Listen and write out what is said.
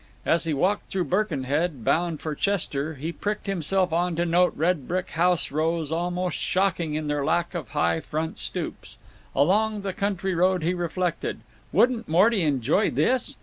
As he walked through Birkenhead, bound for Chester, he pricked himself on to note red brick house rows, almost shocking in their lack of high front stoops. Along the country road he reflected: "Wouldn't Morty enjoy this!